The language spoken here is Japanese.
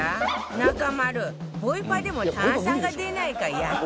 中丸ボイパでも炭酸が出ないかやってみて